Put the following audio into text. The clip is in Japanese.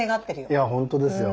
いや本当ですよ